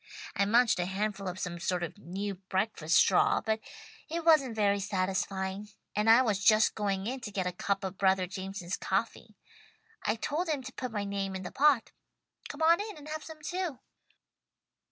I munched a handful of some sort of new breakfast straw, but it wasn't very satisfying, and I was just going in to get a cup of brother Jameson's coffee. I told him to put my name in the pot. Come on in and have some too."